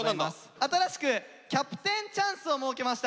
新しくキャプテンチャンスを設けました。